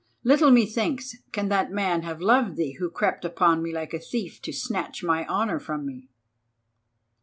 Little methinks can that man have loved thee who crept upon me like a thief to snatch my honour from me."